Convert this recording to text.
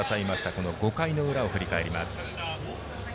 この５回の裏を振り返ります。